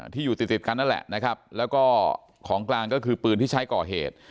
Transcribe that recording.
ที่อยู่ติดติดกันนั่นแหละนะครับแล้วก็ของกลางก็คือปืนที่ใช้ก่อเหตุ